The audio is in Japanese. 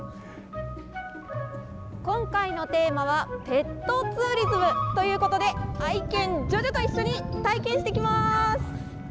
今回のテーマはペットツーリズムということで、愛犬、ＪＯＪＯと一緒に体験してきます。